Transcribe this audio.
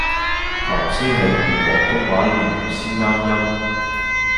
唐詩係用廣東話唸先啱音